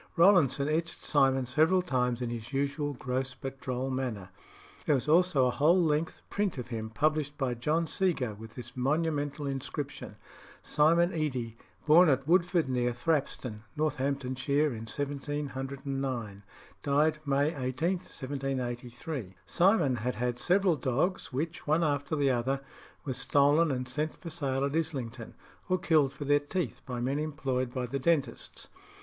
Rowlandson etched Simon several times in his usual gross but droll manner. There was also a whole length print of him published by John Seago, with this monumental inscription "Simon Edy, born at Woodford, near Thrapston, Northamptonshire, in 1709. Died May 18th, 1783." Simon had had several dogs, which, one after the other, were stolen, and sent for sale at Islington, or killed for their teeth by men employed by the dentists.